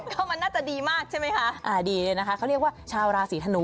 ก็มันน่าจะดีมากใช่ไหมคะอ่าดีเลยนะคะเขาเรียกว่าชาวราศีธนู